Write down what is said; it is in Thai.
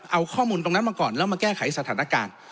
เอาข้อมูลตรงนั้นมาก่อนแล้วมาแก้ไขสถานการณ์